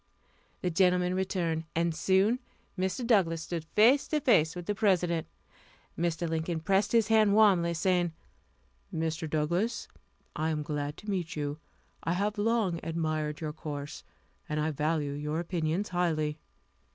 The gentleman returned, and soon Mr. Douglass stood face to face with the President. Mr. Lincoln pressed his hand warmly, saying: "Mr. Douglass, I am glad to meet you. I have long admired your course, and I value your opinions highly."